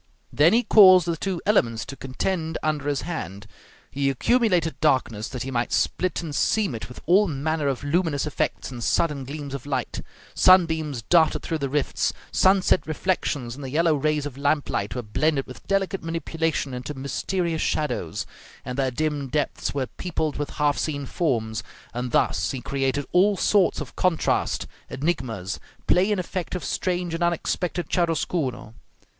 Then he caused the two elements to contend under his hand; he accumulated darkness that he might split and seam it with all manner of luminous effects and sudden gleams of light; sunbeams darted through the rifts, sunset reflections and the yellow rays of lamp light were blended with delicate manipulation into mysterious shadows, and their dim depths were peopled with half seen forms; and thus he created all sorts of contrasts, enigmas, play and effect of strange and unexpected chiaroscuro.